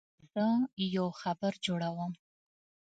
زه یو خبر جوړوم.